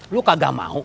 lu kagak mau